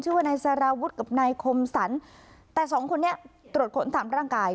ชื่อว่านายสารวุฒิกับนายคมสรรแต่สองคนนี้ตรวจค้นตามร่างกาย